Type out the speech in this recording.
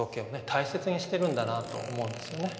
大切にしてるんだなと思うんですよね。